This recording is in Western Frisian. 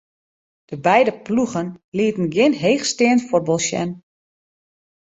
De beide ploegen lieten gjin heechsteand fuotbal sjen.